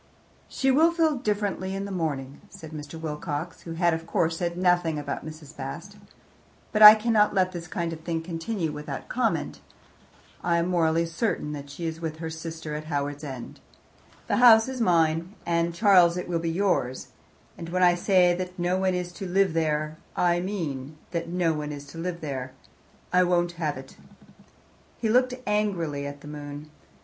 "She will feel differently in the morning," said Mr. Wilcox, who had of course said nothing about Mrs. Bast. "But I cannot let this kind of thing continue without comment. I am morally certain that she is with her sister at Howards End. The house is mine and, Charles, it will be yours and when I say that no one is to live there, I mean that no one is to live there. I won't have it." He looked angrily at the moon.